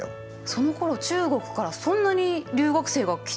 そのころ中国からそんなに留学生が来てたんですね。